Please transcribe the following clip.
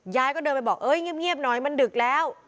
ยายก็เดินไปบอกเอ้ยเงียบหน่อยมันดึกแล้ว